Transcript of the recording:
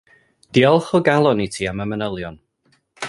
Diolch o galon i ti am y manylion.